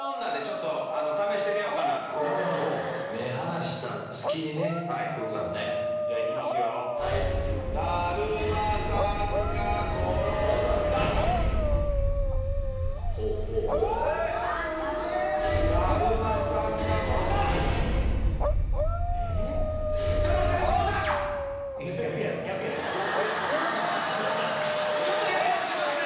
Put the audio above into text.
ちょっとやり直しますね。